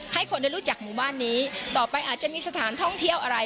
ให้คนได้รู้จักหมู่บ้านนี้ต่อไปอาจจะมีสถานท่องเที่ยวอะไร